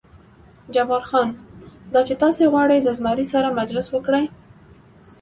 جبار خان: دا چې تاسې غواړئ د زمري سره مجلس وکړئ.